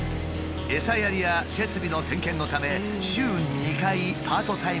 エサやりや設備の点検のため週２回パートタイムで通っている。